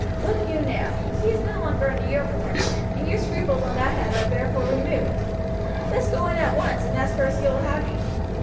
Look you now, she is no longer under your protection, and your scruples on that head are therefore removed; best go in at once and ask her if she will have you.